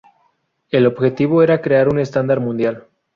El objetivo era crear un estándar mundial.